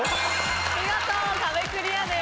見事壁クリアです。